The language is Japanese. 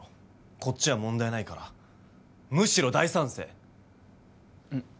こっちは問題ないからむしろ大賛成うん？